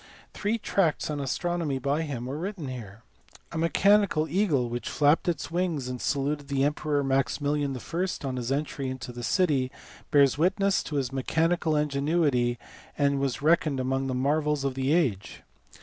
Three tracts on astronomy by him were written here. A mechanical eagle, which flapped its wings and saluted the Emperor Maximilian I. on his entry into the city, bears witness to his mechanical ingenuity and was reckoned among the marvels of the age.